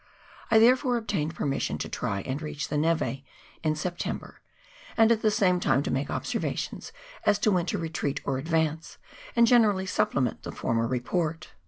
I therefore obtained permission to try and reach the neve in September, and at the same time to make observations as to winter retreat or advance, and gene rally supplement the former report.